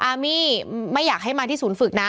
อามี่ไม่อยากให้มาที่ศูนย์ฝึกนะ